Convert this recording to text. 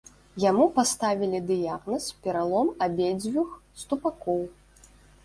Яму паставілі дыягназ пералом абедзвюх ступакоў.